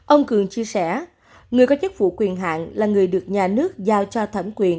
ông cường chia sẻ người có chức vụ quyền hạn là người được nhà nước giao cho thẩm quyền